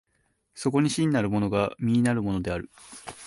そこに真なるものが実なるものである。